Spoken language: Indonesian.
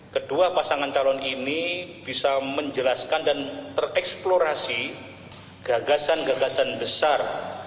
kedua pasangan calon ini bisa menjelaskan dan tereksplorasi gagasan gagasan besar